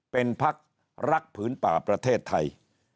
เป็นพักรักผืนป่าประเทศไทย